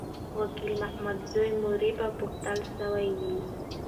وکیل محمدزی مور به پوښتل سوې وي.